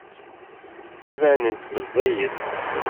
Tettban-d meẓẓiyet.